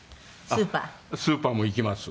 スーパーも行きます。